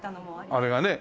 あれがね。